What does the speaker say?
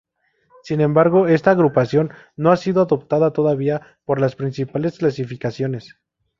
Sin embargo, esta agrupación no ha sido adoptada todavía por las principales clasificaciones.